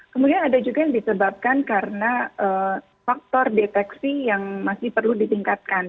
kemudian ada juga yang disebabkan karena faktor deteksi yang masih perlu ditingkatkan